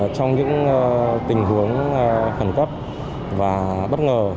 trong những tình huống khẩn cấp và bất ngờ